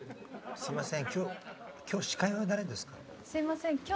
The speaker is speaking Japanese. すみません。